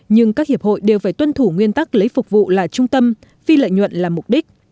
nhưng các hiệp hội đều phải tuân thủ nguyên tắc lấy phục vụ là trung tâm phi lợi nhuận là mục đích